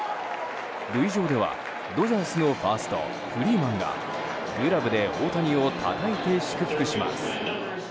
塁上ではドジャースのファーストフリーマンがグラブで大谷をたたいて祝福します。